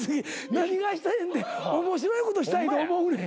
何がしたいねんって面白いことしたいと思うねん。